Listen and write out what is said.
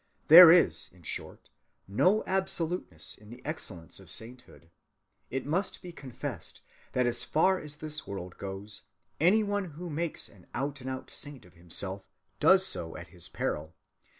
There is, in short, no absoluteness in the excellence of sainthood. It must be confessed that as far as this world goes, any one who makes an out‐and‐out saint of himself does so at his peril.